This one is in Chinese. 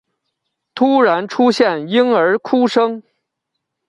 突然出现婴儿哭声